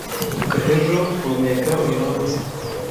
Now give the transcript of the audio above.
Vuga ejo, humeka uyu munsi